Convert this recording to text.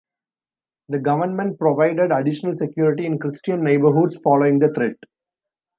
The government provided additional security in Christian neighborhoods following the threat.